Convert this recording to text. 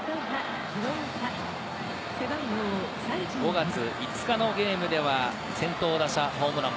５月５日の中日戦では先頭打者ホームラン。